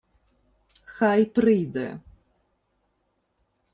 — Хай прийде.